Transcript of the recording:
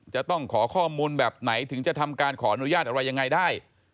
จะต้องขอข้อมูลแบบไหนถึงจะทำการขออนุญาตอะไรยังไงได้